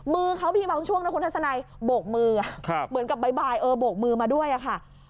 มือเขามีบางช่วงนะคุณทัศนัยโบกมือเหมือนกับบ่ายเออโบกมือมาด้วยอะค่ะ